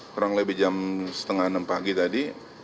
kurang lebih jam setengah enam pagi tadi